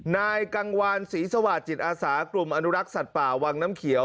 นายกังวานศรีสวาสจิตอาสากลุ่มอนุรักษ์สัตว์ป่าวังน้ำเขียว